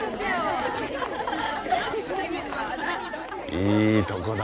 いいとこだ。